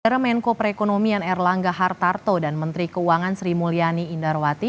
era menko perekonomian erlangga hartarto dan menteri keuangan sri mulyani indarwati